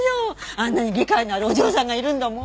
あんなに理解のあるお嬢さんがいるんだもん。